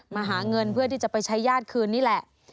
มาหาเงินเพื่อที่จะไปใช้ญาติคืนนี่แหละ